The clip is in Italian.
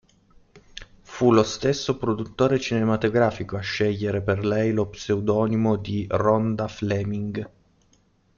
Fu lo stesso produttore cinematografico a scegliere per lei lo pseudonimo di Rhonda Fleming.